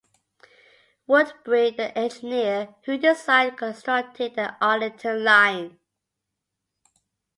Woodbury, the engineer who designed and constructed the Arlington Line.